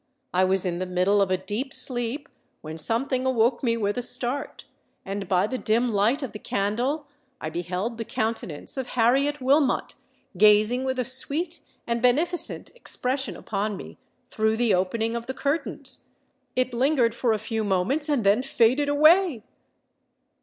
I was in the middle of a deep sleep, when something awoke me with a start; and by the dim light of the candle, I beheld the countenance of Harriet Wilmot gazing with a sweet and beneficent expression upon me through the opening of the curtains. It lingered for a few moments, and then faded away!